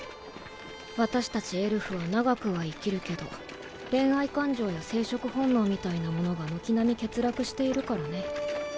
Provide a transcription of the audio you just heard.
私たちエルフは長くは生きるけど恋愛感情や生殖本能みたいなものが軒並み欠落しているからね。